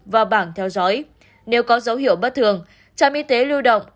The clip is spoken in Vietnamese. vào bảng theo dõi nếu có dấu hiệu bất thường trạm y tế lưu động